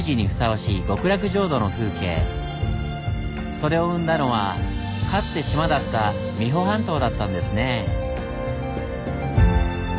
それを生んだのはかつて島だった三保半島だったんですね。